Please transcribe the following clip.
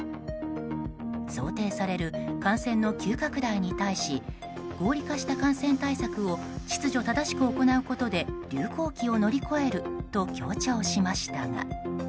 想定される感染の急拡大に対し合理化した感染対策を秩序正しく行うことで流行期を乗り越えると強調しましたが。